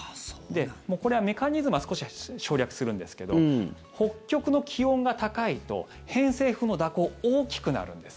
これは、メカニズムは少し省略するんですけど北極の気温が高いと偏西風の蛇行が大きくなるんです。